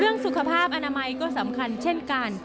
สุขภาพอนามัยก็สำคัญเช่นกัน